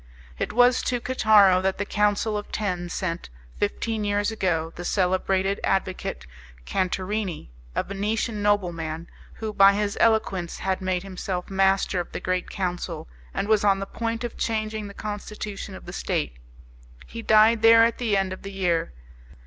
It was to Cataro that the Council of Ten sent, fifteen years ago, the celebrated advocate Cantarini, a Venetian nobleman, who by his eloquence had made himself master of the great Council, and was on the point of changing the constitution of the State. He died there at the end of the year.